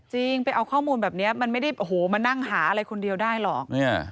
จริงไปเอาข้อมูลแบบนี้มันไม่ได้โอ้โหมานั่งหาอะไรคนเดียวได้หรอก